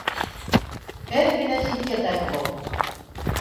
Әҙ генә ситкә тайпылыу.